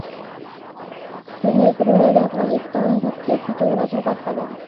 ستوني غرونه د افغانستان د سیاسي جغرافیه برخه ده.